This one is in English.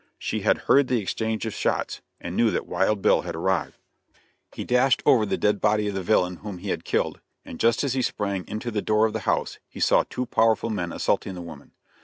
She had heard the exchange of shots, and knew that Wild Bill had arrived. He dashed over the dead body of the villain whom he had killed, and just as he sprang into the door of the house, he saw two powerful men assaulting the woman.